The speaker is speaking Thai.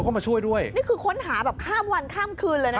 คือค้นหาแบบข้ามวันข้ามคืนเลยนะครับ